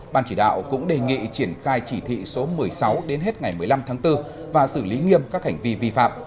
ban chỉ đạo cũng đề nghị triển khai chỉ thị số một mươi sáu đến hết ngày một mươi năm tháng bốn và xử lý nghiêm các hành vi vi phạm